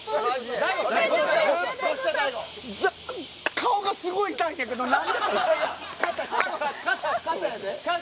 顔がすごい痛いんやけど何？